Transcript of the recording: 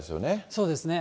そうですね。